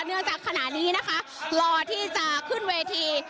จากขณะนี้นะคะรอที่จะขึ้นเวที